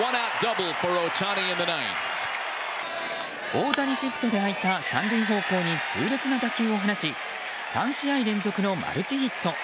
大谷シフトで空いた３塁方向に痛烈な打球を放ち３試合連続のマルチヒット。